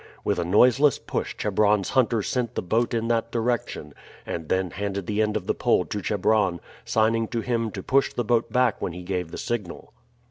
With a noiseless push Chebron's hunter sent the boat in that direction, and then handed the end of the pole to Chebron, signing to him to push the boat back when he gave the signal.